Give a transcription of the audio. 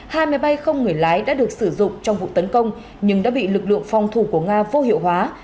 hai máy bay không người lái đã được sử dụng trong vụ tấn công nhưng đã bị lực lượng phòng thủ của nga vô hiệu hóa